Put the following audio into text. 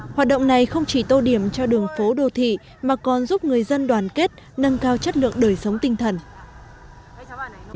hoạt động này không chỉ tô điểm cho đường phố đô thị mà còn giúp người dân đoàn kết nâng cao chất lượng đời sống tinh thần